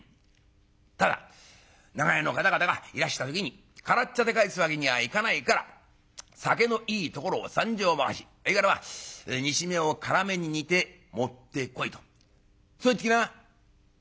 『ただ長屋の方々がいらした時に空茶で帰すわけにはいかないから酒のいいところを３升ばかしほいからまあ煮しめを辛めに煮て持ってこい』とそう言ってきな」。